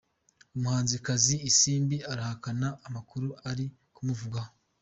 Umuhanzi kazi isimbi arahakana amakuru ari kumuvugwaho